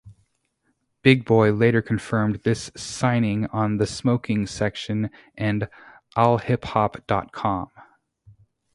Big Boi later confirmed this signing on The Smoking Section and Allhiphop dot com.